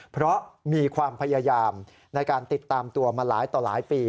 เพราะมีความพยายามในการติดตามตัวมาหลายต่อหลายปี